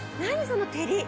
その照り！